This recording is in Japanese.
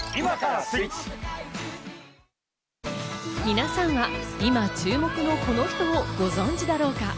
皆さんは今注目のこの人をご存知だろうか。